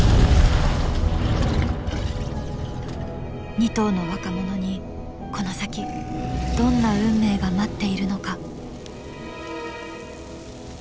２頭の若者にこの先どんな運命が待っているのか。